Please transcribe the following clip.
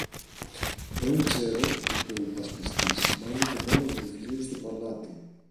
Δεν ξέρω, είπε ο υπασπιστής, μα είναι το μόνο βιβλίο στο παλάτι.